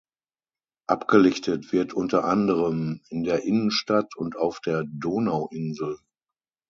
Abgelichtet wird unter anderem in der Innenstadt und auf der Donauinsel.